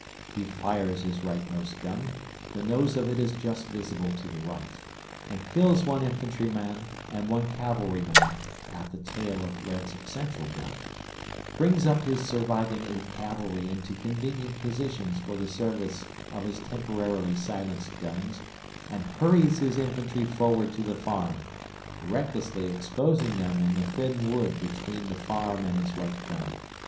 He fires his rightmost gun (the nose of it is just visible to the right) and kills one infantry man and one cavalry man (at the tail of Red's central gun), brings up his surviving eight cavalry into convenient positions for the service of his temporarily silenced guns, and hurries his infantry forward to the farm, recklessly exposing them in the thin wood between the farm and his right gun.